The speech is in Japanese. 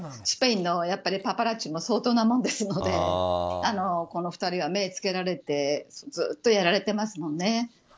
スペインのパパラッチも相当なもんですのでこの２人は目をつけられてずっとやられてますよね。